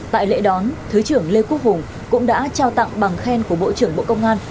tại lễ đón thứ trưởng lê quốc hùng cũng đã trao tặng bằng khen của bộ trưởng bộ công an